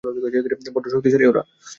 বড্ড শক্তিশালী ওরা।